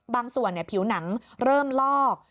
บางส่วนผิวหนังเริ่มลอก